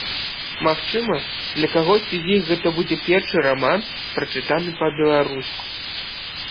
Магчыма, для кагосьці з іх гэта будзе першы раман, прачытаны па-беларуску.